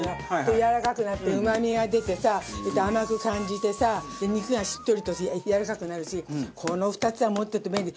やわらかくなってうまみが出てさ甘く感じてさ肉がしっとりとしてやわらかくなるしこの２つは持ってると便利。